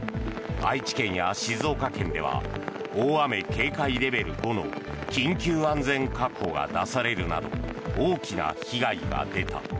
愛知県や静岡県では大雨警戒レベル５の緊急安全確保が出されるなど大きな被害が出た。